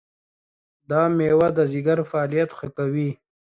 دا مېوه د ځیګر فعالیت ښه کوي.